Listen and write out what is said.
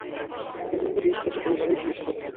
কিন্তু তুমি তো বিষ খেয়েছো, তাই এভাবেই চিকিৎসা করতে হবে।